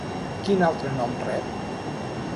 Quin altre nom rep?